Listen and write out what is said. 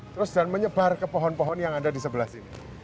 terus dan menyebar ke pohon pohon yang ada di sebelah sini